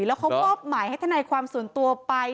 แล้วเขามอบหมายให้ทนายความส่วนตัวไป